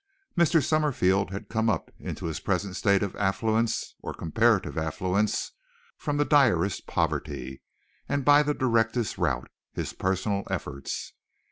Mr. Summerfield had come up into his present state of affluence or comparative affluence from the direst poverty and by the directest route his personal efforts.